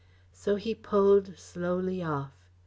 So he poled slowly off.